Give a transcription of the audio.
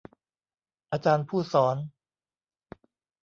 อาจารย์ผู้สอน